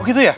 oh gitu ya